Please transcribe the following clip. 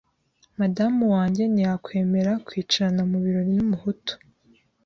madame wanjye ntiyakwemera kwicarana mu birori n’umuhutu